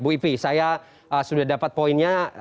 bu ipi saya sudah dapat poinnya